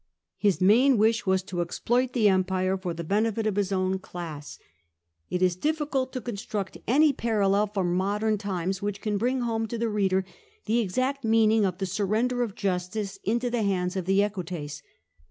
His main wish was to exploit the empire for the benefit of his own class. It £ 66 CAIUS GRACCHUS is difficult to constrnct any parallel from modern times which can bring home to the reader the exact meaning of the surrender of justice into the hands of the Equites.